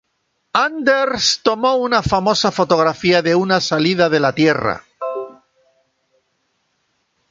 Anders tomó una famosa fotografía de una "salida de la Tierra".